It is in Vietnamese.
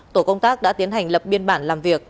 tổ công tác đã tiến hành lập biên bản làm việc